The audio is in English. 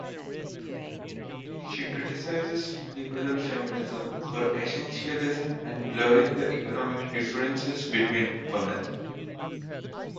She criticizes liberal feminism for essentialism and blurring the economic differences between women.